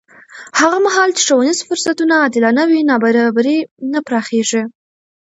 هغه مهال چې ښوونیز فرصتونه عادلانه وي، نابرابري نه پراخېږي.